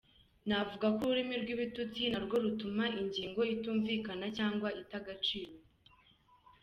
Navuga ko ururimi rw’ibitutsi na rwo rutuma ingingo itumvikana cyangwa ita agaciro.